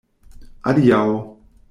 Adiaŭ!